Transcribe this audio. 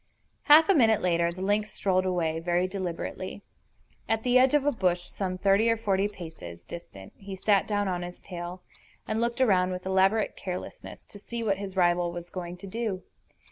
Half a minute later the lynx strolled away, very deliberately. At the edge of a bush some thirty or forty paces distant he sat down on his tail, and looked around with elaborate carelessness to see what his rival was going to do.